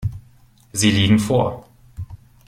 Sie liegen vor.